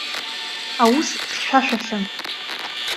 Аус хьшәашәахьан.